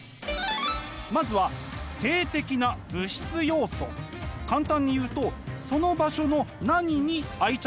まずは簡単に言うとその場所の何に愛着を感じているか。